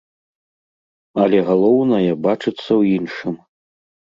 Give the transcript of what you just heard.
Але галоўнае бачыцца ў іншым.